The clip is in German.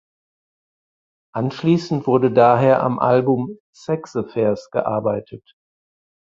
Anschließend wurde daher am Album "Sex Affairs" gearbeitet.